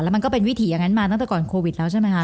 มันก็เป็นวิถีอย่างนั้นมาตั้งแต่ก่อนโควิดแล้วใช่ไหมคะ